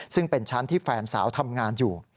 ซึ่งเป็นชั้นที่แฟนสาวทำงานอยู่